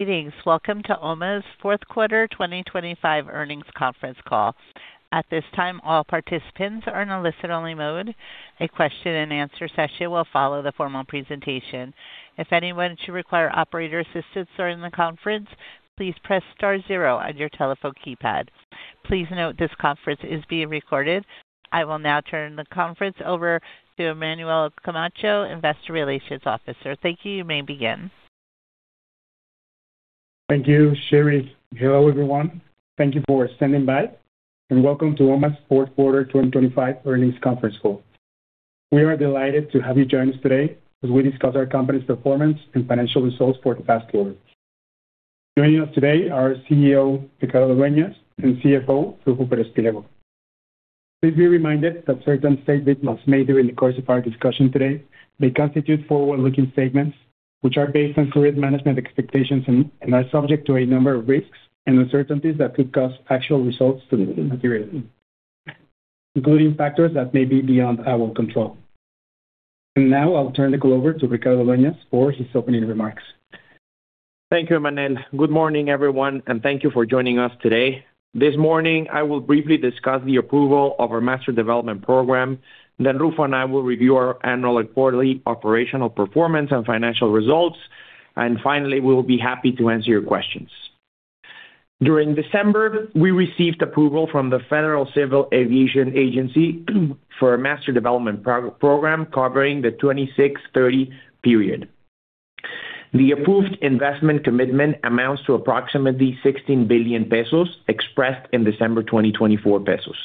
Greetings. Welcome to OMA's Q4 2025 earnings conference call. At this time, all participants are in a listen-only mode. A question-and-answer session will follow the formal presentation. If anyone should require operator assistance during the conference, please press star zero on your telephone keypad. Please note this conference is being recorded. I will now turn the conference over to Emmanuel Camacho, Investor Relations Officer. Thank you. You may begin. Thank you, Sherry. Hello, everyone. Thank you for standing by, and welcome to OMA's Q4 2025 earnings conference call. We are delighted to have you join us today as we discuss our company's performance and financial results for the past quarter. Joining us today are CEO, Ricardo Dueñas, and CFO, Rufo Pérez Pliego. Please be reminded that certain statements made during the course of our discussion today may constitute forward-looking statements, which are based on current management expectations and are subject to a number of risks and uncertainties that could cause actual results to materially, including factors that may be beyond our control. Now I'll turn the call over to Ricardo Dueñas for his opening remarks. Thank you, Emmanuel. Good morning, everyone. Thank you for joining us today. This morning, I will briefly discuss the approval of our Master Development Program. Rufo and I will review our annual and quarterly operational performance and financial results. Finally, we will be happy to answer your questions. During December, we received approval from the Federal Civil Aviation Agency for a Master Development Program covering the 2026-2030 period. The approved investment commitment amounts to approximately 16 billion pesos, expressed in December 2024 pesos.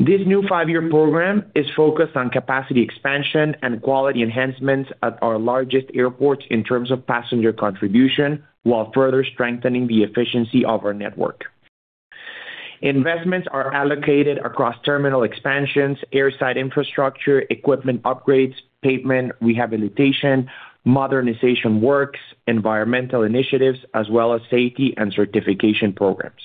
This new 5-year program is focused on capacity expansion and quality enhancements at our largest airports in terms of passenger contribution, while further strengthening the efficiency of our network. Investments are allocated across terminal expansions, airside infrastructure, equipment upgrades, pavement rehabilitation, modernization works, environmental initiatives, as well as safety and certification programs.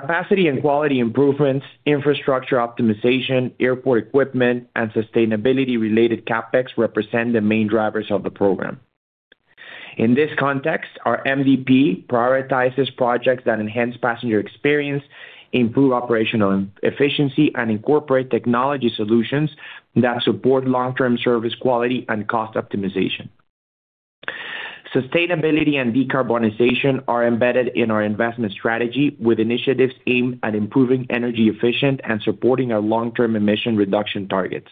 Capacity and quality improvements, infrastructure optimization, airport equipment, and sustainability-related CapEx represent the main drivers of the program. In this context, our MDP prioritizes projects that enhance passenger experience, improve operational efficiency, and incorporate technology solutions that support long-term service quality and cost optimization. Sustainability and decarbonization are embedded in our investment strategy, with initiatives aimed at improving energy efficient and supporting our long-term emission reduction targets.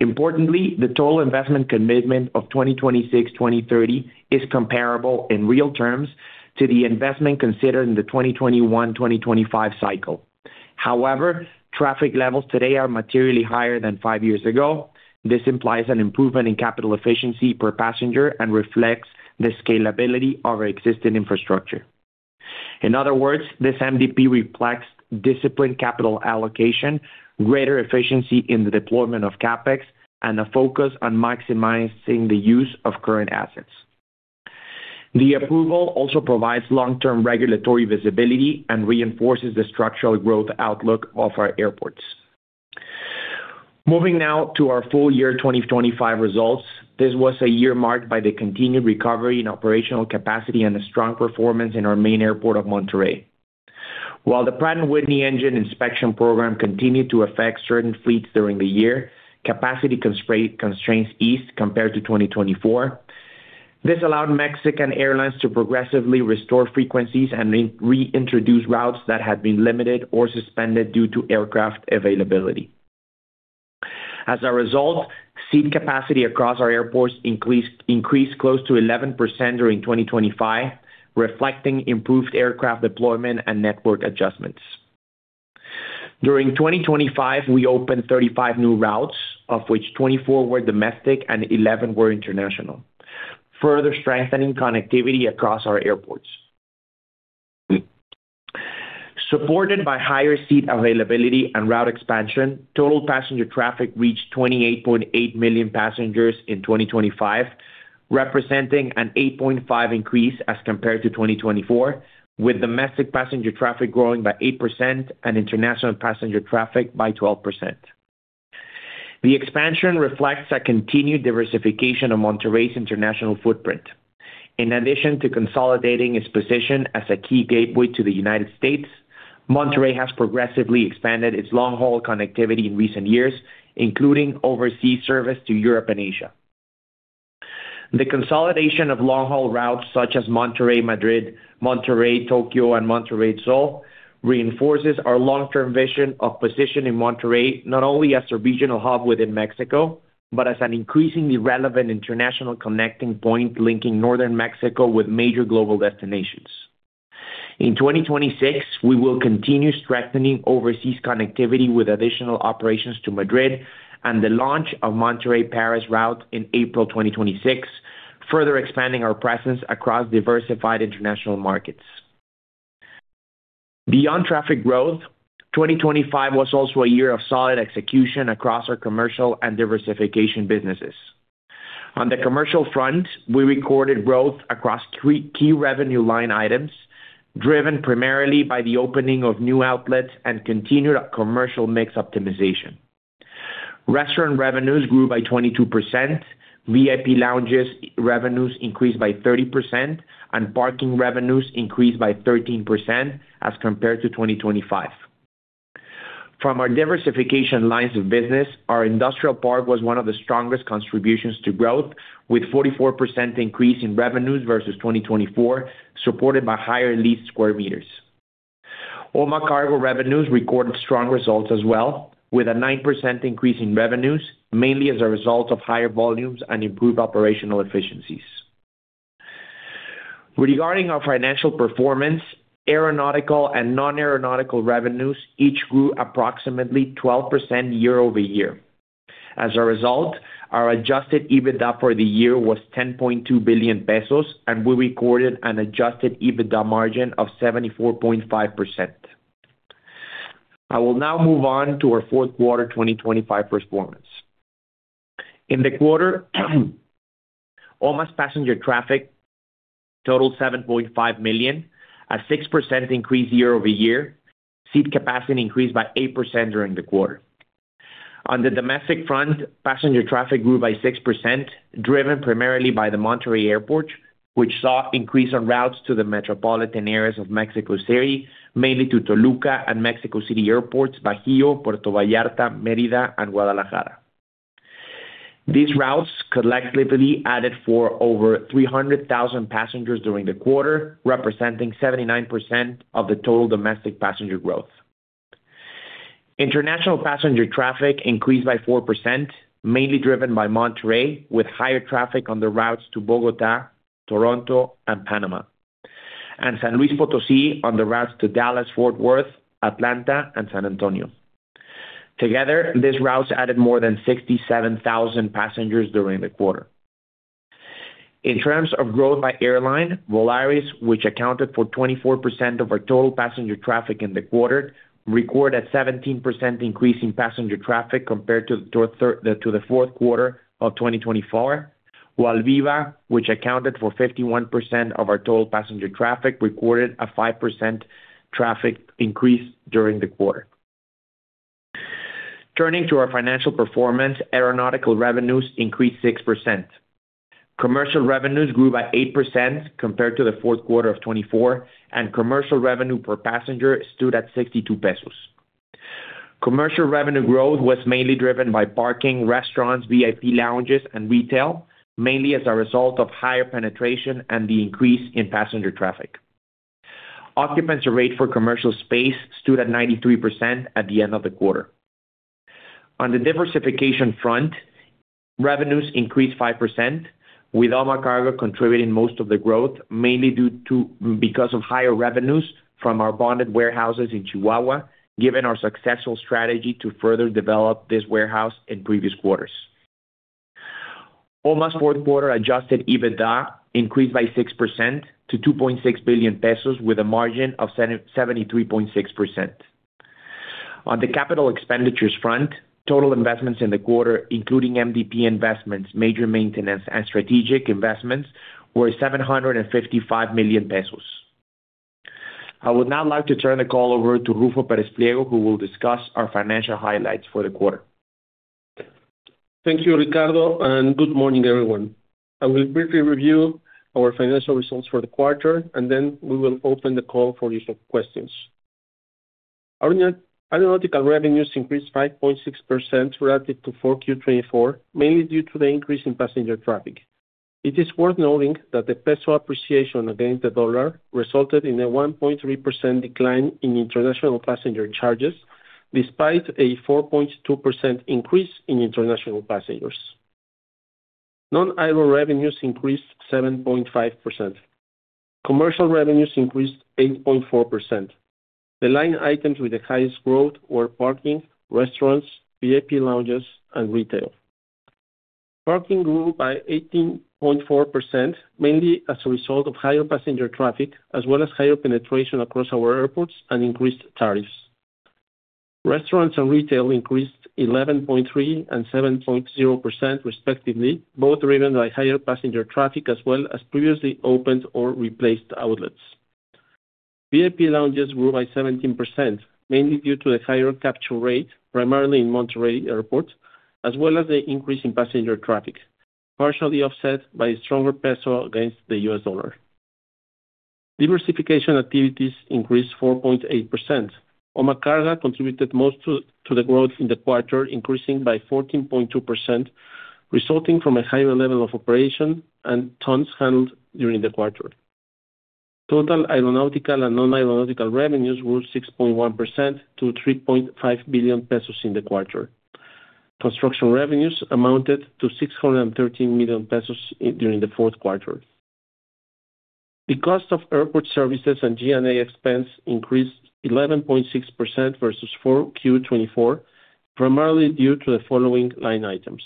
Importantly, the total investment commitment of 2026-2030 is comparable in real terms to the investment considered in the 2021-2025 cycle. However, traffic levels today are materially higher than 5 years ago. This implies an improvement in capital efficiency per passenger and reflects the scalability of our existing infrastructure. In other words, this MDP reflects disciplined capital allocation, greater efficiency in the deployment of CapEx, and a focus on maximizing the use of current assets. The approval also provides long-term regulatory visibility and reinforces the structural growth outlook of our airports. Moving now to our full year 2025 results. This was a year marked by the continued recovery in operational capacity and a strong performance in our main airport of Monterrey. While the Pratt & Whitney engine inspection program continued to affect certain fleets during the year, capacity constraints eased compared to 2024. This allowed Mexican airlines to progressively restore frequencies and reintroduce routes that had been limited or suspended due to aircraft availability. As a result, seat capacity across our airports increased close to 11% during 2025, reflecting improved aircraft deployment and network adjustments. During 2025, we opened 35 new routes, of which 24 were domestic and 11 were international, further strengthening connectivity across our airports. Supported by higher seat availability and route expansion, total passenger traffic reached 28.8 million passengers in 2025, representing an 8.5 increase as compared to 2024, with domestic passenger traffic growing by 8% and international passenger traffic by 12%. The expansion reflects a continued diversification of Monterrey's international footprint. In addition to consolidating its position as a key gateway to the United States, Monterrey has progressively expanded its long-haul connectivity in recent years, including overseas service to Europe and Asia. The consolidation of long-haul routes such as Monterrey-Madrid, Monterrey-Tokyo, and Monterrey-Seoul, reinforces our long-term vision of positioning Monterrey not only as a regional hub within Mexico, but as an increasingly relevant international connecting point, linking northern Mexico with major global destinations. In 2026, we will continue strengthening overseas connectivity with additional operations to Madrid and the launch of Monterrey-Paris route in April 2026, further expanding our presence across diversified international markets. Beyond traffic growth, 2025 was also a year of solid execution across our commercial and diversification businesses. On the commercial front, we recorded growth across three key revenue line items, driven primarily by the opening of new outlets and continued commercial mix optimization. Restaurant revenues grew by 22%, VIP lounges revenues increased by 30%, Parking revenues increased by 13% as compared to 2025. From our diversification lines of business, our industrial park was one of the strongest contributions to growth, with 44% increase in revenues versus 2024, supported by higher leased square meters. OMA Carga revenues recorded strong results as well, with a 9% increase in revenues, mainly as a result of higher volumes and improved operational efficiencies. Regarding our financial performance, aeronautical and non-aeronautical revenues each grew approximately 12% year over year. As a result, our Adjusted EBITDA for the year was 10.2 billion pesos, and we recorded an Adjusted EBITDA margin of 74.5%. I will now move on to our Q4, 2025 performance. In the quarter, OMA's passenger traffic totaled 7.5 million, a 6% increase year over year. Seat capacity increased by 8% during the quarter. On the domestic front, passenger traffic grew by 6%, driven primarily by the Monterrey Airport, which saw increase on routes to the metropolitan areas of Mexico City, mainly to Toluca and Mexico City airports, Bajío, Puerto Vallarta, Merida, and Guadalajara. These routes collectively added for over 300,000 passengers during the quarter, representing 79% of the total domestic passenger growth. International passenger traffic increased by 4%, mainly driven by Monterrey, with higher traffic on the routes to Bogota, Toronto, and Panama, and San Luis Potosí on the routes to Dallas, Fort Worth, Atlanta, and San Antonio. Together, these routes added more than 67,000 passengers during the quarter. In terms of growth by airline, Volaris, which accounted for 24% of our total passenger traffic in the quarter, recorded a 17% increase in passenger traffic compared to the Q4 of 2024. While Viva, which accounted for 51% of our total passenger traffic, recorded a 5% traffic increase during the quarter. Turning to our financial performance, aeronautical revenues increased 6%. Commercial revenues grew by 8% compared to the Q4 of 2024, and commercial revenue per passenger stood at 62 pesos. Commercial revenue growth was mainly driven by parking, restaurants, VIP lounges, and retail, mainly as a result of higher penetration and the increase in passenger traffic. Occupancy rate for commercial space stood at 93% at the end of the quarter. On the diversification front, revenues increased 5%, with OMA Cargo contributing most of the growth, mainly because of higher revenues from our bonded warehouses in Chihuahua, given our successful strategy to further develop this warehouse in previous quarters. OMA's Q4 Adjusted EBITDA increased by 6% to 2.6 billion pesos, with a margin of 73.6%. On the capital expenditures front, total investments in the quarter, including MDP investments, major maintenance, and strategic investments, were 755 million pesos. I would now like to turn the call over to Rufo Pérez Pliego, who will discuss our financial highlights for the quarter. Thank you, Ricardo. Good morning, everyone. I will briefly review our financial results for the quarter. We will open the call for your questions. Our aeronautical revenues increased 5.6% relative to 4Q 2024, mainly due to the increase in passenger traffic. It is worth noting that the peso appreciation against the dollar resulted in a 1.3% decline in international passenger charges, despite a 4.2% increase in international passengers. Non-aero revenues increased 7.5%. Commercial revenues increased 8.4%. T he line items with the highest growth were parking, restaurants, VIP lounges, and retail. Parking grew by 18.4%, mainly as a result of higher passenger traffic, as well as higher penetration across our airports and increased tariffs. Restaurants and retail increased 11.3% and 7.0%, respectively, both driven by higher passenger traffic, as well as previously opened or replaced outlets. VIP lounges grew by 17%, mainly due to the higher capture rate, primarily in Monterrey airports, as well as the increase in passenger traffic, partially offset by stronger peso against the US dollar. Diversification activities increased 4.8%. OMA Carga contributed most to the growth in the quarter, increasing by 14.2%, resulting from a higher level of operation and tons handled during the quarter. Total aeronautical and non-aeronautical revenues grew 6.1% to 3.5 billion pesos in the quarter. Construction revenues amounted to 613 million pesos, during the Q4. The cost of airport services and G&A expense increased 11.6% versus 4Q 2024, primarily due to the following line items: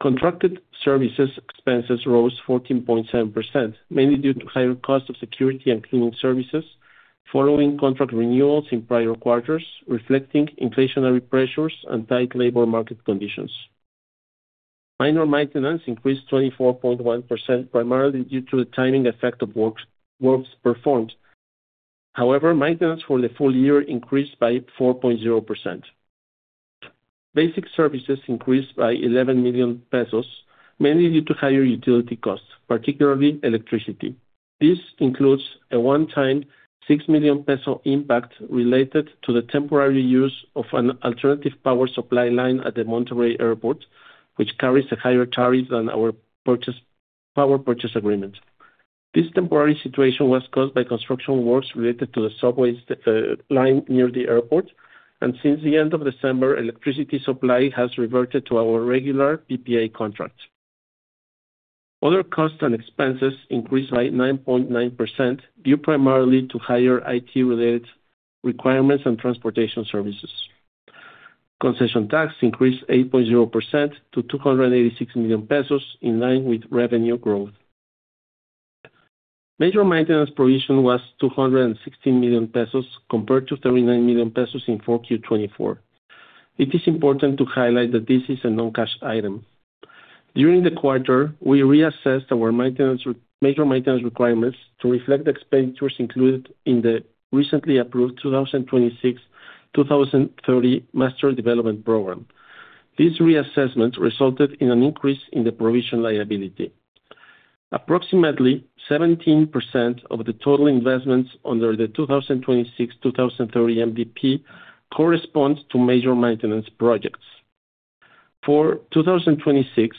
contracted services expenses rose 14.7%, mainly due to higher cost of security and cleaning services, following contract renewals in prior quarters, reflecting inflationary pressures and tight labor market conditions. Minor maintenance increased 24.1%, primarily due to the timing effect of works performed. However, maintenance for the full year increased by 4.0%. Basic services increased by 11 million pesos, mainly due to higher utility costs, particularly electricity. This includes a one-time 6 million peso impact related to the temporary use of an alternative power supply line at the Monterrey Airport, which carries a higher tariff than our purchase, power purchase agreement. This temporary situation was caused by construction works related to the subways line near the airport, and since the end of December, electricity supply has reverted to our regular PPA contract. Other costs and expenses increased by 9.9%, due primarily to higher IT-related requirements and transportation services. Concession tax increased 8.0% to 286 million pesos, in line with revenue growth. Major maintenance provision was 216 million pesos, compared to 39 million pesos in 4Q 2024. It is important to highlight that this is a non-cash item. During the quarter, we reassessed our maintenance, major maintenance requirements to reflect the expenditures included in the recently approved 2026/2030 Master Development Program. This reassessment resulted in an increase in the provision liability. Approximately 17% of the total investments under the 2026/2030 MDP corresponds to major maintenance projects. For 2026,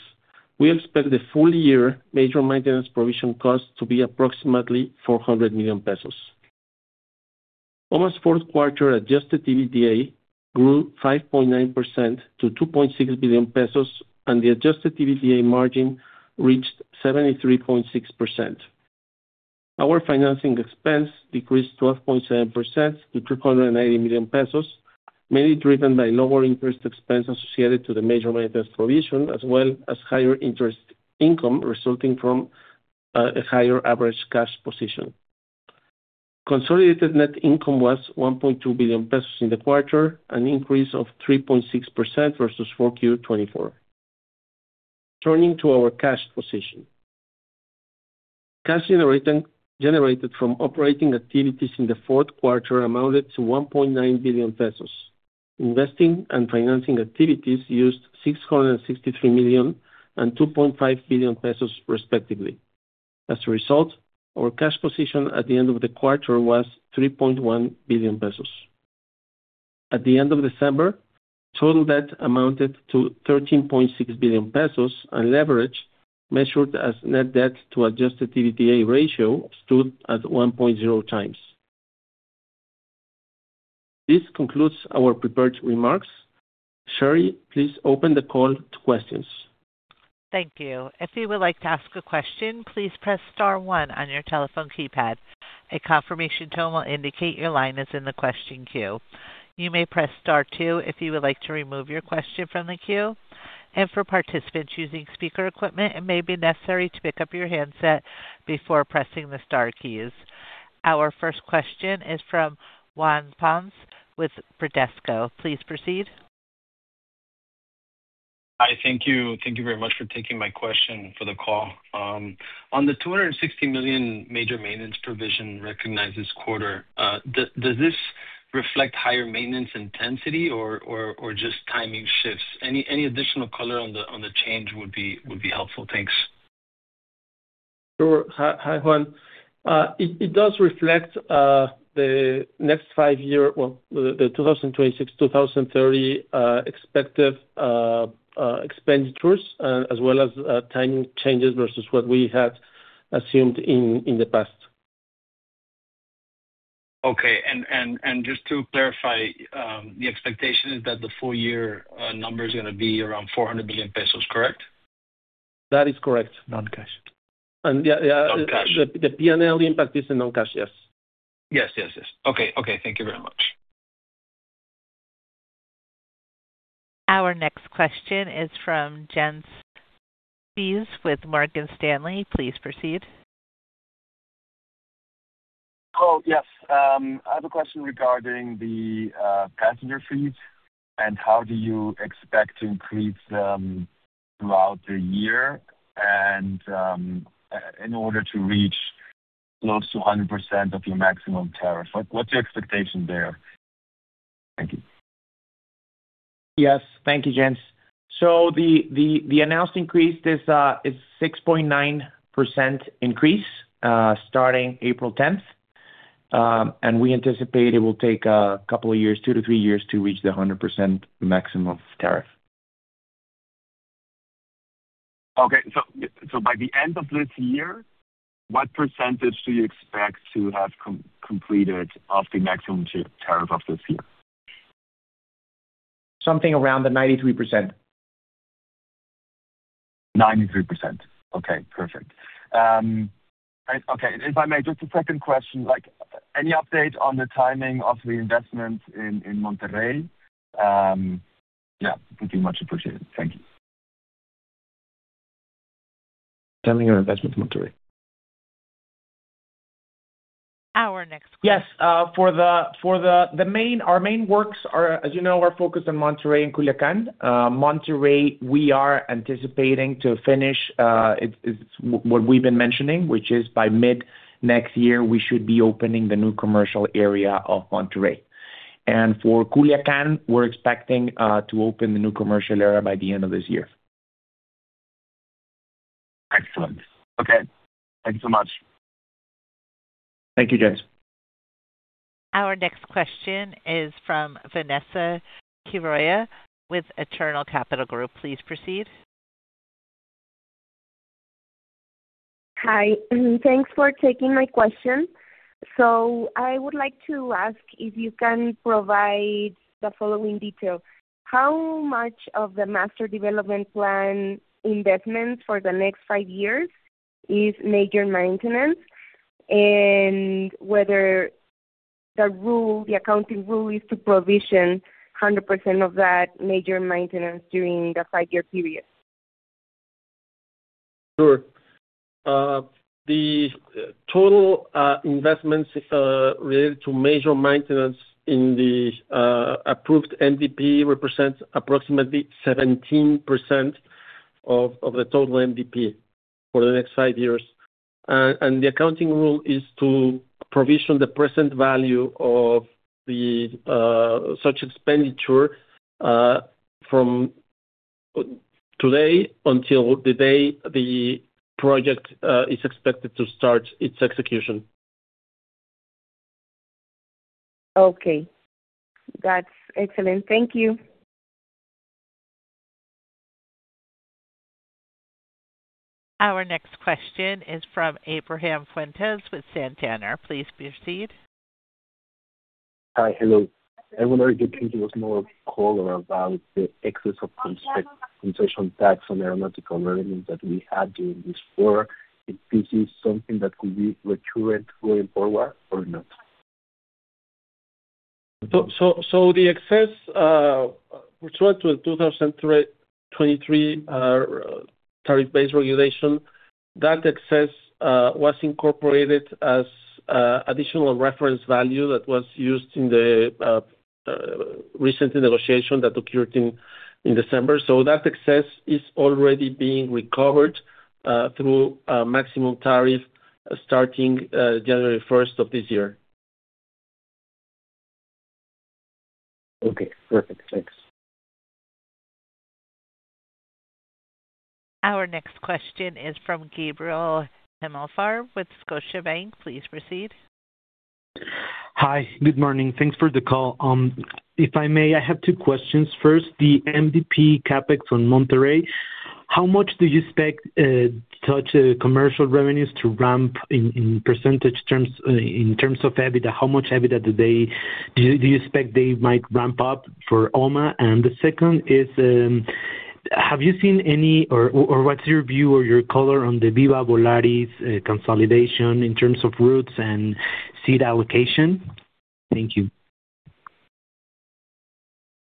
we expect the full year major maintenance provision cost to be approximately 400 million pesos. OMA's Q4 Adjusted EBITDA grew 5.9% to 2.6 billion pesos, and the Adjusted EBITDA margin reached 73.6%. Our financing expense decreased 12.7% to 380 million pesos, mainly driven by lower interest expense associated to the major maintenance provision, as well as higher interest income resulting from a higher average cash position. Consolidated net income was 1.2 billion pesos in the quarter, an increase of 3.6% versus 4Q 2024. Turning to our cash position. Cash generated from operating activities in the Q4 amounted to 1.9 billion pesos. Investing and financing activities used 663 million and 2.5 billion pesos, respectively. As a result, our cash position at the end of the quarter was 3.1 billion pesos. At the end of December, total debt amounted to 13.6 billion pesos, and leverage, measured as net debt to Adjusted EBITDA ratio, stood at 1.0 times. This concludes our prepared remarks. Sherry, please open the call to questions. Thank you. If you would like to ask a question, please press star one on your telephone keypad. A confirmation tone will indicate your line is in the question queue. You may press star two if you would like to remove your question from the queue. For participants using speaker equipment, it may be necessary to pick up your handset before pressing the star keys. Our first question is from Juan Ponce with Bradesco. Please proceed. Hi, thank you. Thank you very much for taking my question for the call. On the 260 million major maintenance provision recognized this quarter, does this reflect higher maintenance intensity or just timing shifts? Any additional color on the change would be helpful. Thanks. Sure. Hi, hi, Juan. It does reflect the next five year, well, the 2026, 2030 expected expenditures, as well as timing changes versus what we had assumed in the past. Okay. Just to clarify, the expectation is that the full year number is going to be around 400 million pesos, correct? That is correct. Non-cash. yeah. Non-cash. The PNL impact is a non-cash. Yes. Yes, yes. Okay. Okay, thank you very much. Our next question is from Jay Olson with Morgan Stanley. Please proceed. Oh, yes. I have a question regarding the passenger fees, how do you expect to increase them throughout the year in order to reach close to 100% of your maximum tariff? What's your expectation there? Thank you. Yes. Thank you, Jens. The announced increase is 6.9% increase, starting April 10th. We anticipate it will take 2 to 3 years to reach the 100% maximum tariff. Okay. By the end of this year, what percentage do you expect to have completed of the maximum tariff of this year? Something around the 93%. 93%. Okay, perfect. Okay, if I may, just a second question, like, any update on the timing of the investment in Monterrey? Yeah, would be much appreciated. Thank you. Timing of investment in Monterrey? Yes, for the main, our main works are, as you know, are focused on Monterrey and Culiacan. Monterrey, we are anticipating to finish, it's what we've been mentioning, which is by mid-next year, we should be opening the new commercial area of Monterrey. For Culiacan, we're expecting to open the new commercial area by the end of this year. Excellent. Okay. Thank you so much. Thank you, James. Our next question is from Vanessa Quiroga, with Eternal Capital Group. Please proceed. Hi, thanks for taking my question. I would like to ask if you can provide the following detail. How much of the Master Development Plan investments for the next 5 years is major maintenance? Whether the rule, the accounting rule, is to provision 100% of that major maintenance during the 5-year period. Sure. The total investments related to major maintenance in the approved MDP represents approximately 17% of the total MDP for the next five years. The accounting rule is to provision the present value of the such expenditure from today until the day the project is expected to start its execution. Okay. That's excellent. Thank you. Our next question is from Abraham Fuentes with Santander. Please proceed. Hi. Hello. I wonder if you could give us more color about the excess of concession tax on aeronautical revenues that we had during this quarter. If this is something that could be recurrent going forward or not? The excess referred to in 2023 tariff-based regulation, that excess was incorporated as additional reference value that was used in the recent negotiation that occurred in December. That success is already being recovered through maximum tariff starting January 1st of this year. Okay, perfect. Thanks. Our next question is from Gabriel Gimelfarb, with Scotiabank. Please proceed. Hi. Good morning. Thanks for the call. If I may, I have two questions. First, the MDP CapEx on Monterrey. How much do you expect such commercial revenues to ramp in percentage terms, in terms of EBITDA? How much EBITDA do you expect they might ramp up for OMA? The second is, have you seen any, or what's your view or your color on the Viva Volaris consolidation in terms of routes and seat allocation? Thank you.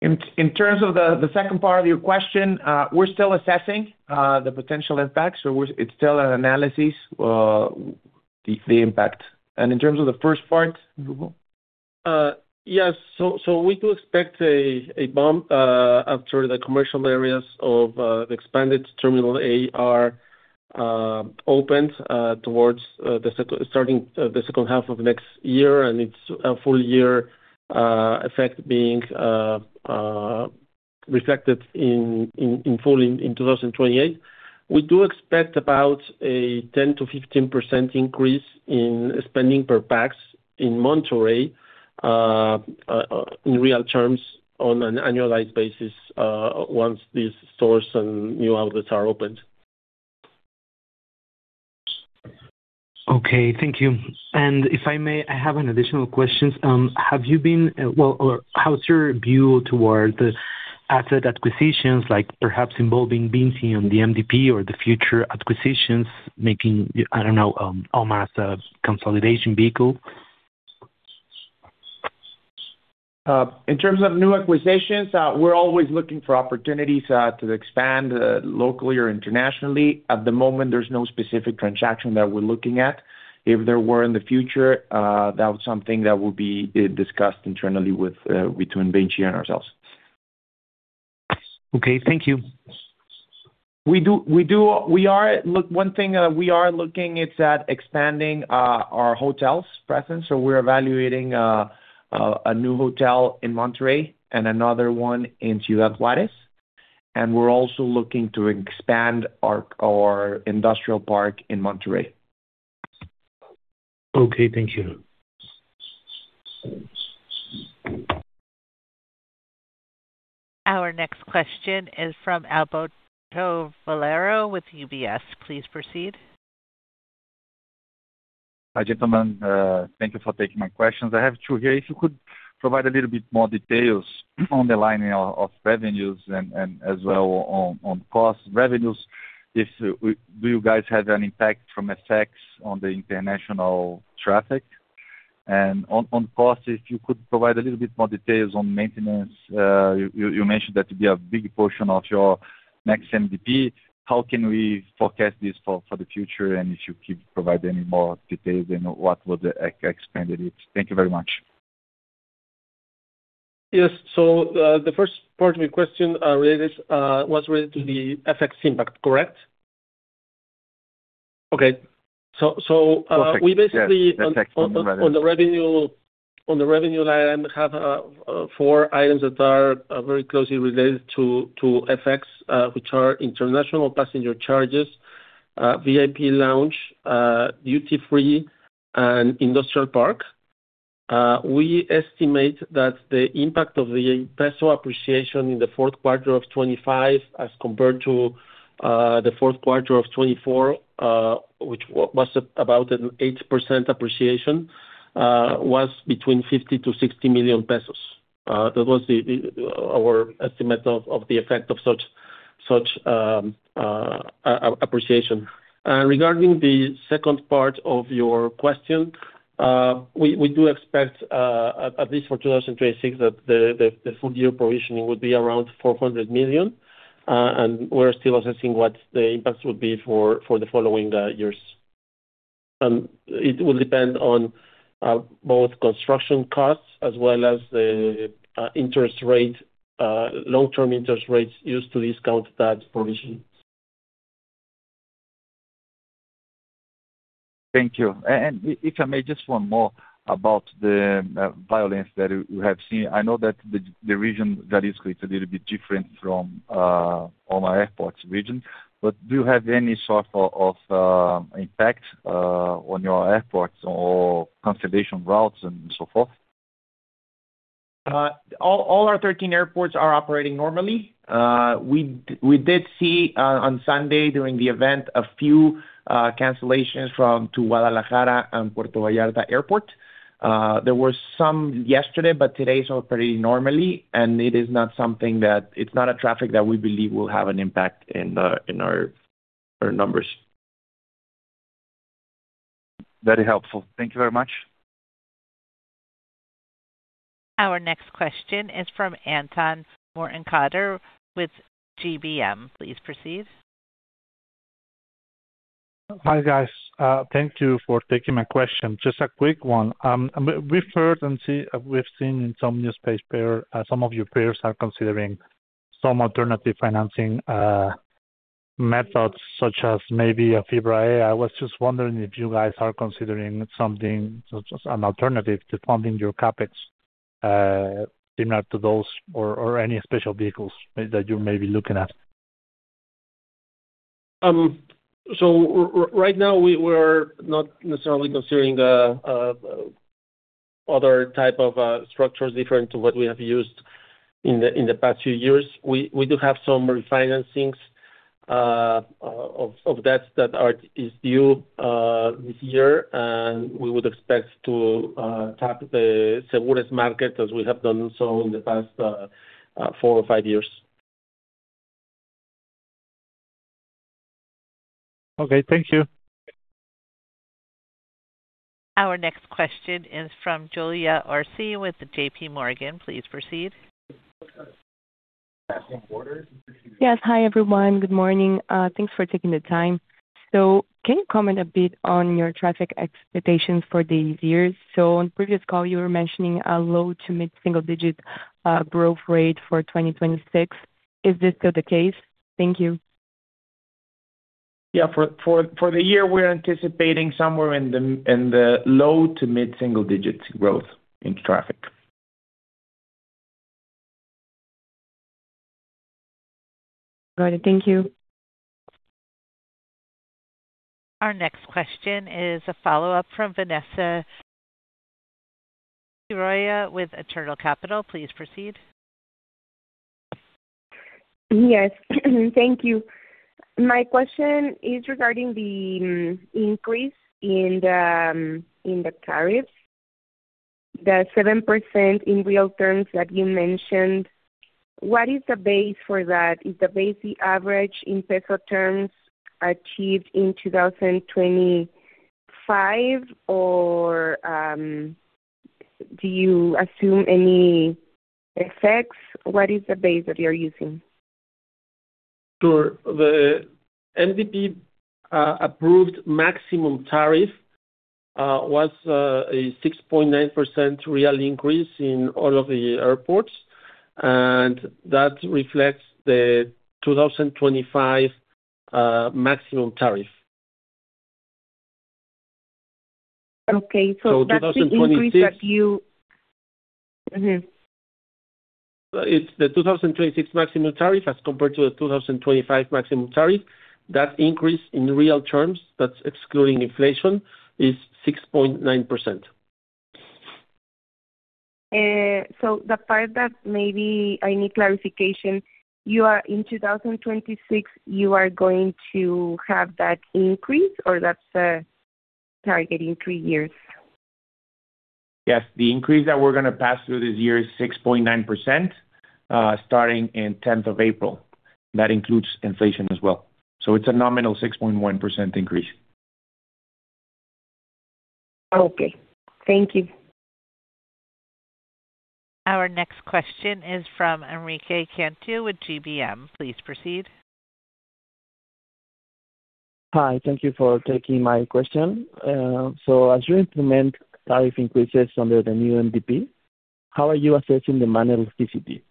In terms of the second part of your question, we're still assessing the potential impact. It's still an analysis, the impact. In terms of the first part, Hugo? Yes. We do expect a bump after the commercial areas of the expanded terminal AR opened towards the second, starting the second half of next year. It's a full year effect being reflected in full in 2028. We do expect about a 10 to 15% increase in spending per pax in Monterrey in real terms on an annualized basis once these stores and new outlets are opened. Okay, thank you. If I may, I have an additional questions. How's your view toward the asset acquisitions, like perhaps involving Vinci on the MDP or the future acquisitions making OMA's consolidation vehicle? In terms of new acquisitions, we're always looking for opportunities to expand locally or internationally. At the moment, there's no specific transaction that we're looking at. If there were in the future, that was something that will be discussed internally with between Vinci and ourselves. Okay, thank you. We do. Look, one thing we are looking is at expanding our hotels presence. We're evaluating a new hotel in Monterrey and another one in Ciudad Juarez. We're also looking to expand our industrial park in Monterrey. Okay, thank you. Our next question is from Alberto Valerio with UBS. Please proceed. Hi, gentlemen. Thank you for taking my questions. I have two here. If you could provide a little bit more details on the lining of revenues and as well on costs. Revenues, do you guys have an impact from effects on the international traffic? On costs, if you could provide a little bit more details on maintenance. You mentioned that to be a big portion of your next MDP. How can we forecast this for the future? If you could provide any more details on what would expand it is. Thank you very much. Yes. The first part of your question, was related to the FX impact, correct? Okay. We basically- Yes, FX. On the revenue item, have four items that are very closely related to FX, which are international passenger charges, VIP lounge, duty-free, and industrial park. We estimate that the impact of the peso appreciation in the Q4 of 2025, as compared to the Q4 of 2024, which was about an 8% appreciation, was between 50 million-60 million pesos. That was our estimate of the effect of such appreciation. Regarding the second part of your question, we do expect, at least for 2026, that the full year provisioning would be around 400 million, and we're still assessing what the impact would be for the following years. It will depend on both construction costs as well as the interest rate, long-term interest rates used to discount that provision. Thank you. If I may, just one more about the violence that you have seen. I know that the region that is a little bit different from all our airports region, but do you have any sort of impact on your airports or consolidation routes and so forth? All our 13 airports are operating normally. We did see on Sunday during the event, a few cancellations from to Guadalajara and Puerto Vallarta Airport. There were some yesterday, but today it's operating normally. It is not something that. It's not a traffic that we believe will have an impact in our numbers. Very helpful. Thank you very much. Our next question is from Alan Macias with GBM. Please proceed. Hi, guys. Thank you for taking my question. Just a quick one. We've heard, we've seen in some news space player, some of your peers are considering some alternative financing methods, such as maybe a fibra. I was just wondering if you guys are considering something, such as an alternative to funding your CapEx, similar to those, or any special vehicles that you may be looking at. Right now we're not necessarily considering other type of structures different to what we have used in the past few years. We do have some refinancings of debts that are, is due this year. We would expect to tap the seguros market as we have done so in the past four or five years. Okay. Thank you. Our next question is from Julia Orsi with JP Morgan. Please proceed. Yes. Hi, everyone. Good morning. Thanks for taking the time. Can you comment a bit on your traffic expectations for these years? On previous call, you were mentioning a low to mid-single digit growth rate for 2026. Is this still the case? Thank you. Yeah. For the year, we're anticipating somewhere in the low to mid-single digits growth in traffic. Got it. Thank you. Our next question is a follow-up from Vanessa Quiroga, with Eternal Capital. Please proceed. Yes, thank you. My question is regarding the increase in the tariffs, the 7% in real terms that you mentioned. What is the base for that? Is the base the average in peso terms achieved in 2025, or do you assume any effects? What is the base that you're using? Sure. The MDP approved maximum tariff was a 6.9% real increase in all of the airports, and that reflects the 2025 maximum tariff. Okay. So two thousand and twenty-six- increase that you. Mm-hmm. It's the 2026 maximum tariff as compared to the 2025 maximum tariff. That increase in real terms, that's excluding inflation, is 6.9%. The part that maybe I need clarification, you are, in 2026, you are going to have that increase, or that's a target in three years? Yes, the increase that we're gonna pass through this year is 6.9%, starting in 10th of April. That includes inflation as well. It's a nominal 6.1% increase. Okay. Thank you. Our next question is from Enrique Cantu with GBM. Please proceed. Hi, thank you for taking my question. As you implement tariff increases under the new MDP, how are you assessing the manual elasticity,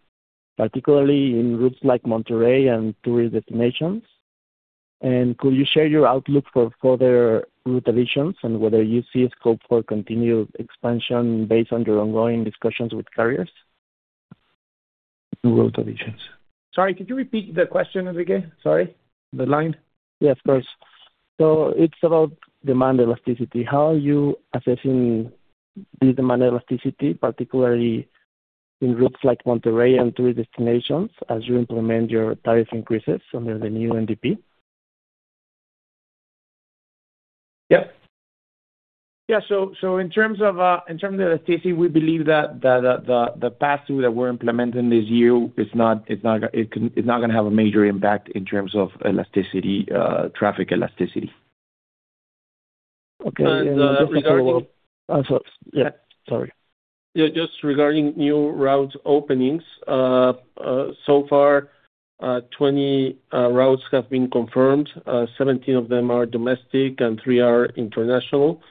particularly in routes like Monterrey and tourist destinations? Could you share your outlook for further route additions and whether you see a scope for continued expansion based on your ongoing discussions with carriers? New route additions. Sorry, could you repeat the question, Enrique? Sorry, the line. Yeah, of course. It's about demand elasticity. How are you assessing the demand elasticity, particularly in routes like Monterrey and tourist destinations, as you implement your tariff increases under the new MDP? Yep. Yeah, in terms of elasticity, we believe that the pass-through that we're implementing this year it's not gonna have a major impact in terms of elasticity, traffic elasticity. Okay. And, uh, regarding- I'm sorry. Yeah, sorry. Just regarding new route openings, so far, 20 routes have been confirmed. 17 of them are domestic and 3 are international.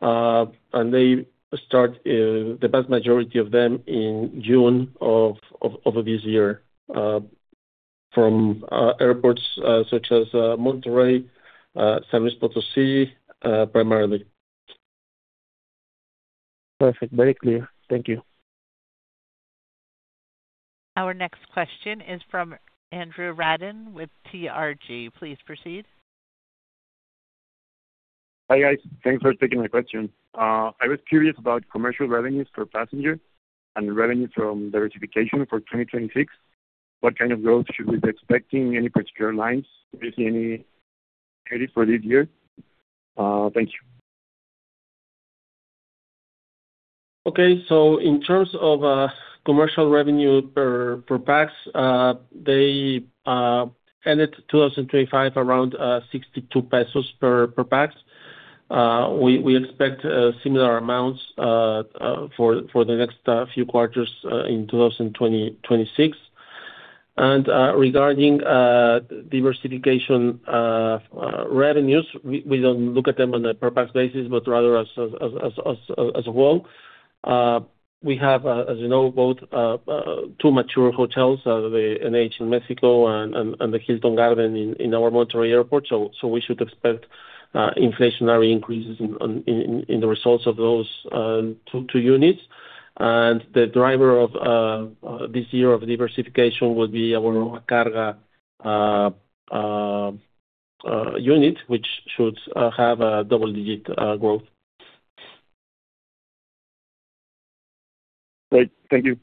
They start the vast majority of them in June of this year, from airports such as Monterrey, San Luis Potosi, primarily. Perfect. Very clear. Thank you. Our next question is from Andrew Radden with TRG. Please proceed. Hi, guys. Thanks for taking my question. I was curious about commercial revenues per passenger and revenue from the diversification for 2026. What kind of growth should we be expecting? Any particular lines, if any, ready for this year? Thank you. Okay, in terms of commercial revenue per pax, they ended 2025 around 62 pesos per pax. We expect similar amounts for the next few quarters in 2026. Regarding diversification revenues, we don't look at them on a per-pax basis, but rather as a whole. We have, as you know, both two mature hotels, the NH in Mexico and the Hilton Garden in our Monterrey Airport. We should expect inflationary increases in the results of those two units. The driver of this year of diversification will be our carga unit, which should have a double-digit growth. Great. Thank you.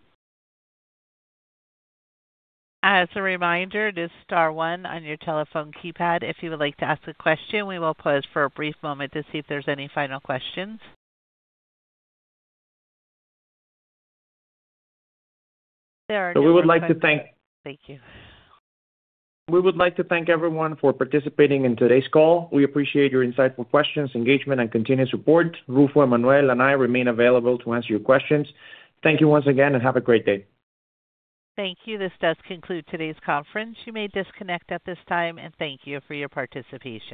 As a reminder, it is star one on your telephone keypad if you would like to ask a question. We will pause for a brief moment to see if there's any final questions. There are no- we would like to thank- Thank you. We would like to thank everyone for participating in today's call. We appreciate your insightful questions, engagement, and continued support. Rufo, Emmanuel, and I remain available to answer your questions. Thank you once again, and have a great day. Thank you. This does conclude today's conference. You may disconnect at this time, and thank you for your participation.